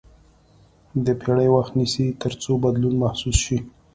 دا پېړۍ وخت نیسي تر څو بدلون محسوس شي.